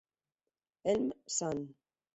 Elm St.